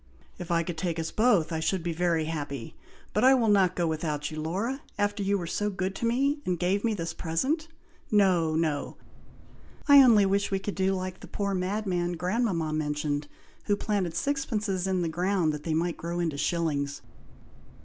"If it could take us both, I should be very happy, but I will not go without you, Laura, after you were so good to me, and gave me this in a present. No, no! I only wish we could do like the poor madman grandmama mentioned, who planted sixpences in the ground that they might grow into shillings."